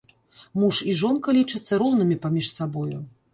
Муж і жонка лічацца роўнымі паміж сабою.